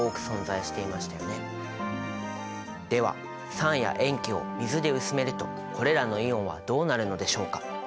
では酸や塩基を水で薄めるとこれらのイオンはどうなるのでしょうか。